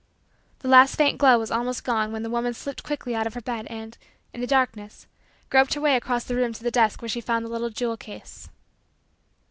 The last faint glow was almost gone when the woman slipped quickly out of her bed and, in the darkness, groped her way across the room to the desk where she found the little jewel case.